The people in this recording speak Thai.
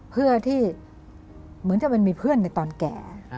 เพื่อที่เหมือนจะเป็นมีเพื่อนในตอนแก่